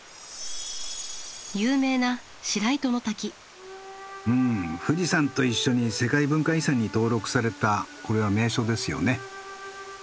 有名なうん富士山と一緒に世界文化遺産に登録されたこれは名所ですよね。